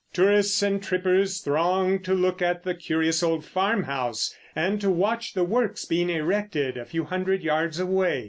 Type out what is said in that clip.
Tourists and trippers thronged to look at the curious old farmhouse and to watch the works being erected a few hundred yards away.